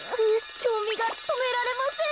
きょうみがとめられません。